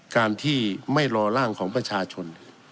การที่ไม่รอร่างของประชาชน